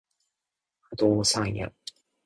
不動産屋